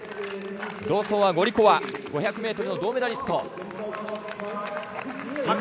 同走はゴリコワ５００ｍの銅メダリスト。